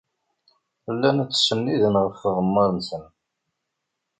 Llan ttsenniden ɣef tɣemmar-nsen.